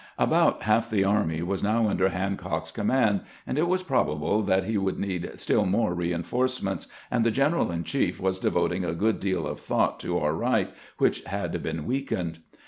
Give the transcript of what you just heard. About half the army was now under Hancock's com mand, and it was probable that he would need still more reinforcements, and the general in chief was devoting a good deal of thought to our right, which had been weakened.